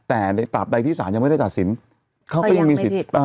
แต่ในตราบใดที่ศาลยังไม่ได้ตัดสินเขาก็ยังมีสิทธิ์